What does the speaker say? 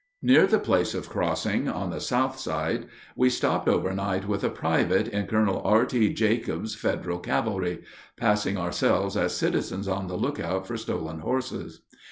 Near the place of crossing, on the south side, we stopped overnight with a private in Colonel R.T. Jacob's Federal cavalry, passing ourselves as citizens on the lookout for stolen horses.